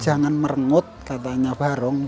jangan meranggut katanya barung